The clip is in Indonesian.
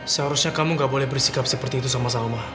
seharusnya kamu gak boleh bersikap seperti itu sama sama